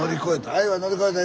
「愛は乗り越えた」